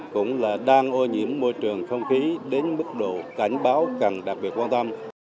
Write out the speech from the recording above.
cũng là đang ô nhiễm môi trường không khí đến mức độ cảnh báo cần đặc biệt quan tâm